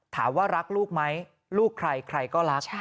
ถามว่ารักลูกไหมลูกใครใครก็รัก